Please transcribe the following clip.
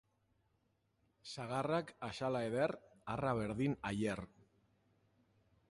Sagarrak axala eder, harra berdin aiher.